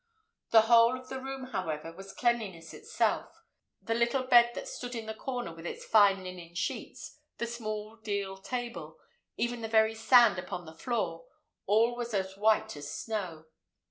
The whole of the room, however, was cleanliness itself: the little bed that stood in the corner with its fine linen sheets, the small deal table, even the very sand upon the floor, all were as white as snow.